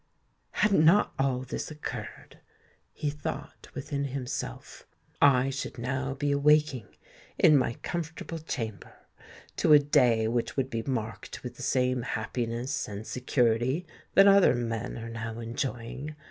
"Had not all this occurred," he thought within himself, "I should now be awaking, in my comfortable chamber, to a day which would be marked with the same happiness and security that other men are now enjoying.